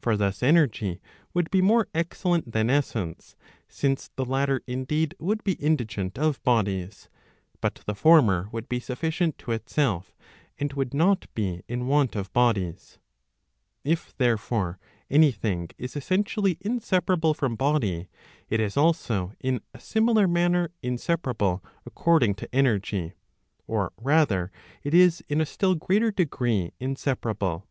For thus energy would be more excellent than essence; since the latter indeed would be indigent of bodies, but the former would be sufficient to itself, and would not be in want of bodies: If therefore any thing is essentially inseparable from body, it is also in a similar manner inseparable according to energy, or rather it is in a still greater degree inseparable.